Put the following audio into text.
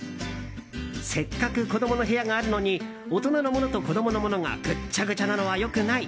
せっかく子供の部屋があるのに大人のものと子供のものがぐっちゃぐちゃなのは良くない。